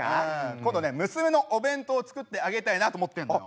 今度ね娘のお弁当作ってあげたいなと思ってるのよ。